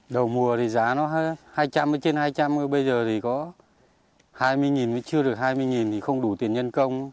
đầu mùa thì giá nó trên hai trăm linh bây giờ thì có hai mươi chưa được hai mươi thì không đủ tiền nhân công